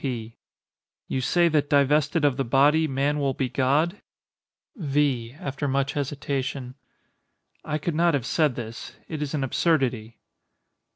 P. You say that divested of the body man will be God? V. [After much hesitation.] I could not have said this; it is an absurdity.